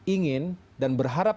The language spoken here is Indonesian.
ingin dan berharap